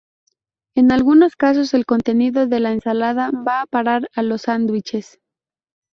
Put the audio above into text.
En algunos casos el contenido de la ensalada va a parar a sándwiches.